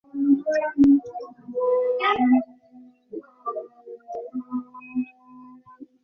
বেশ এক্ষুনি কল করো তাকে।